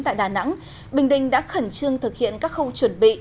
trong ngày bốn tháng tám bình định đã khẩn trương thực hiện các khâu chuẩn bị